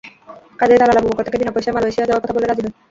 কাজেই দালাল আবুবকর তাকে বিনা পয়সার মালয়েশিয়া যাওয়ার কথা বললে রাজি হয়।